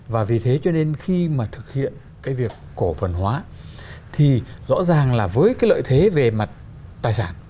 và vì thế cho nên khi mà thực hiện cái việc cổ phần hóa thì rõ ràng là với cái lợi thế về mặt tài sản